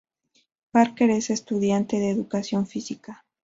Parker es estudiante de Educación Física.